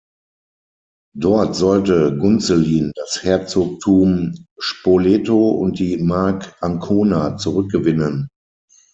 Dort sollte Gunzelin das Herzogtum Spoleto und die Mark Ancona zurückgewinnen.